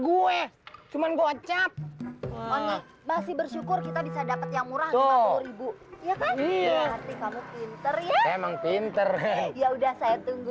gue cuman gocap masih bersyukur kita bisa dapat yang murah rp lima puluh iya pinter ya udah saya tunggu